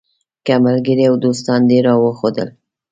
که ملګري او دوستان دې راوښودل.